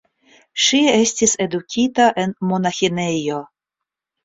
Ŝi estis edukita en monaĥinejo.